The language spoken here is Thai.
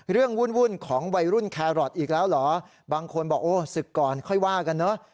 วุ่นของวัยรุ่นแครอทอีกแล้วเหรอบางคนบอกโอ้ศึกก่อนค่อยว่ากันเนอะ